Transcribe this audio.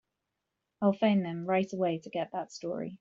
I'll phone them right away to get that story.